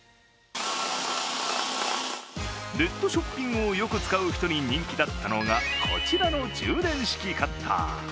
ネットショッピングをよく使う人に人気だったのがこちらの充電式カッター。